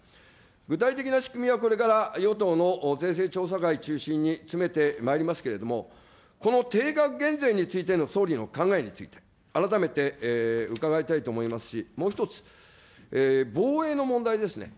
具体的な仕組みはこれから与党の税制調査会中心に詰めてまいりますけれども、この定額減税についての総理の考えについて、改めて伺いたいと思いますし、もう１つ、防衛の問題ですね。